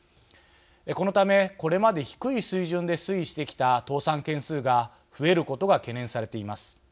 このためこれまで低い水準で推移してきた倒産件数が増えることが懸念されています。